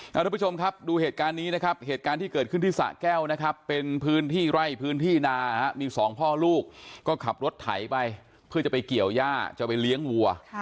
ทุกผู้ชมครับดูเหตุการณ์นี้นะครับเหตุการณ์ที่เกิดขึ้นที่สะแก้วนะครับเป็นพื้นที่ไร่พื้นที่นามีสองพ่อลูกก็ขับรถไถไปเพื่อจะไปเกี่ยวย่าจะไปเลี้ยงวัว